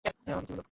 হে আমার প্রতিপালক!